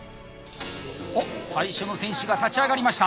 おっ最初の選手が立ち上がりました。